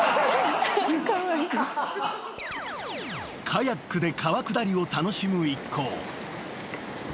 ［カヤックで川下りを楽しむ一行］